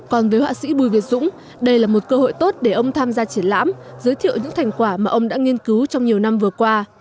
còn với họa sĩ bùi việt dũng đây là một cơ hội tốt để ông tham gia triển lãm giới thiệu những thành quả mà ông đã nghiên cứu trong nhiều năm vừa qua